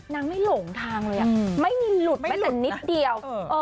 นางไม่หลงทางเลยไม่มีหลุดแม้แต่นิดเดียว